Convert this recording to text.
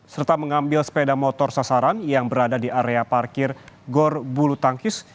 serta mengambil sepeda motor sasaran yang berada di area parkir gor bulu tangkis